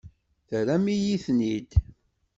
Terram-iyi-ten-id.